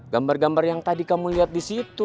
gambar gambar yang tadi kamu liat disitu